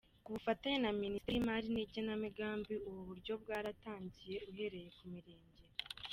Ku bufatanye na Minisiteri y’imari n’igenamigambi, ubu buryo bwaratangiye uhereye ku mirenge.